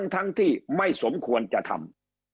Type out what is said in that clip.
ทั้งที่ไม่สมควรจะทำ